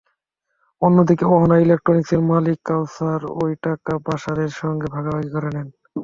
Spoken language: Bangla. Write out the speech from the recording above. অন্যদিকে অহনা ইলেকট্রনিকসের মালিক কাউসার ওই টাকা বাশারের সঙ্গে ভাগাভাগি করে নেন।